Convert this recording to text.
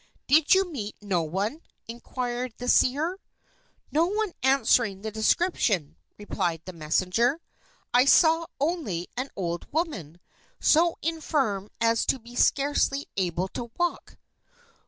"Did you meet no one?" inquired the seer. "No one answering the description," replied the messenger. "I saw only an old woman, so infirm as to be scarcely able to walk."